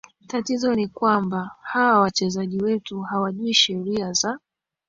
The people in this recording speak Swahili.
tatizo ni kwamba hawa wachezaji wetu hawajui sheria za